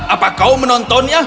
apa kau menontonnya